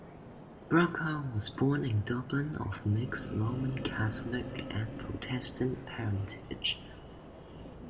Brugha was born in Dublin of mixed Roman Catholic and Protestant parentage.